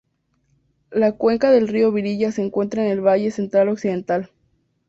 La cuenca del río Virilla se encuentra en el Valle Central Occidental.